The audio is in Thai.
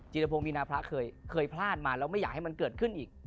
รพงศ์มีนาพระเคยพลาดมาแล้วไม่อยากให้มันเกิดขึ้นอีก